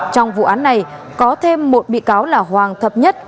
trong vụ án này có thêm một bị cáo là hoàng thập nhất